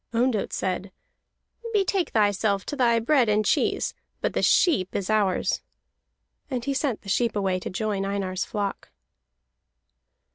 Ondott said: "Betake thyself then to bread and cheese, but the sheep is ours." And he sent the sheep away to join Einar's flock.